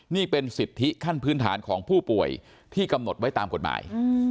นี่เป็นสิทธิขั้นพื้นฐานของผู้ป่วยที่กำหนดไว้ตามกฎหมาย